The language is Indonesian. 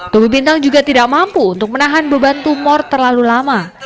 tubuh bintang juga tidak mampu untuk menahan beban tumor terlalu lama